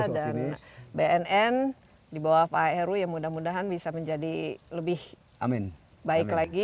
dan bnn di bawah pak heru ya mudah mudahan bisa menjadi lebih baik lagi